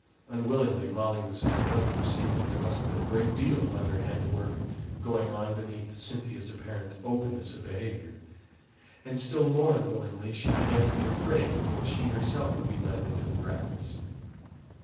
Unwillingly, Molly was compelled to perceive that there must have been a great deal of underhand work going on beneath Cynthia's apparent openness of behaviour; and still more unwillingly she began to be afraid that she herself might be led into the practice.